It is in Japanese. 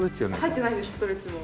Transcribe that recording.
入ってないですストレッチも。